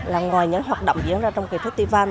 là ngoài những hoạt động diễn ra trong kỳ festival